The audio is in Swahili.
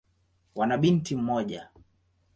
Wana binti mmoja.